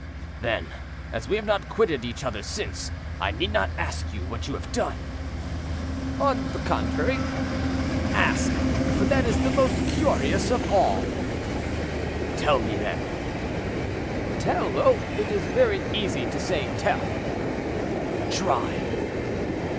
"Then, as we have not quitted each other since, I need not ask you what you have done." "On the contrary, ask; for that is the most curious of all." "Tell me, then." "Tell! oh, it is very easy to say tell." "Try."